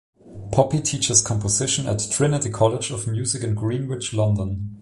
Poppy teaches composition at Trinity College of Music in Greenwich, London.